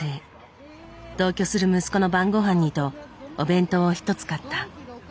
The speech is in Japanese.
同居する息子の晩ごはんにとお弁当を１つ買った。